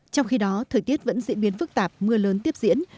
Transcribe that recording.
trong khi đó thời tiết vẫn diễn biến phức tạp mưa lớn tiếp diễn